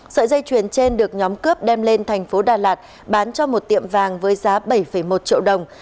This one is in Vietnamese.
sợi dây chuyền trên được nhóm cướp đem lên thành phố đà lạt bán cho một tiệm vàng với giá bảy một triệu đồng